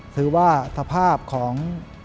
คือว่าสภาพของ